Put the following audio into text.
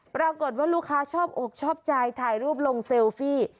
ปรากฏว่าลูกค้าชอบอกชอบใจถ่ายรูปลงเซลฟี่